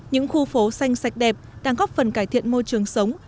những khu phố xanh sạch đẹp đang góp phần cải thiện môi trường sống